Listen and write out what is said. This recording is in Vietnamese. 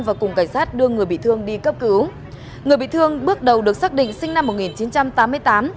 và cùng cảnh sát đưa người bị thương đi cấp cứu người bị thương bước đầu được xác định sinh năm một nghìn chín trăm tám mươi tám